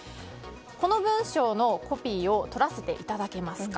この文書のコピーを取らせていただけますか？